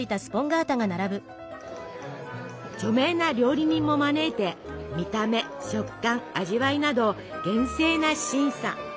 著名な料理人も招いて見た目食感味わいなど厳正な審査！